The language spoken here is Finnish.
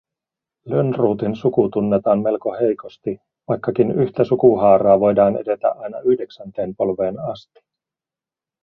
Lönnrotin suku tunnetaan melko heikosti, vaikkakin yhtä sukuhaaraa voidaan edetä aina yhdeksänteen polveen asti